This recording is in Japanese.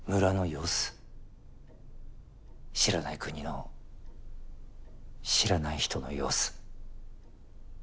知らない国の知らない人の様子。